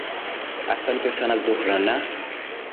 asante sana zuhra na